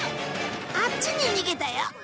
あっちに逃げたよ。